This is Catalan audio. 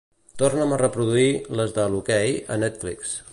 Torna'm a reproduir "Les de l'hoquei" a Netflix.